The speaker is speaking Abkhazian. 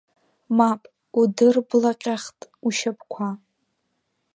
Мап, удырблаҟьахт ушьапқәа.